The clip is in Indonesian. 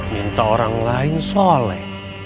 minta orang lain sholat